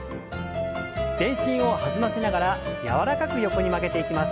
全身を弾ませながら柔らかく横に曲げていきます。